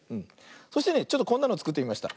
そしてねちょっとこんなのつくってみました。